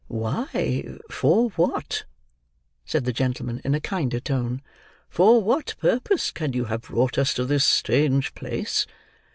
"Why, for what," said the gentleman in a kinder tone, "for what purpose can you have brought us to this strange place?